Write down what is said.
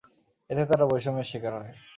এতে তারা বৈষম্যের শিকার হয়।